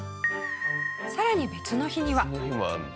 さらに別の日には。